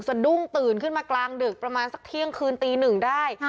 สะดุ้งตื่นขึ้นมากลางดึกประมาณสักเที่ยงคืนตีหนึ่งได้